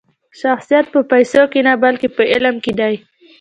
شخصیت په پیسو کښي نه؛ بلکي په علم کښي دئ.